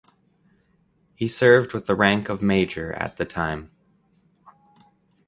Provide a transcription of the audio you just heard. He served with the rank of Major at the time.